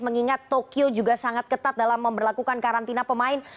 mengingat tokyo juga sangat ketat dalam memperlakukan karantina pemain